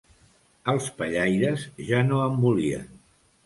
Els pellaires ja no en volien